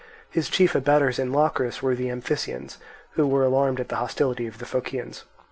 His chief abettors in Locris were the Amphissians, who were alarmed at the hostility of the Phocians.